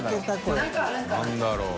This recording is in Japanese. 何だろう？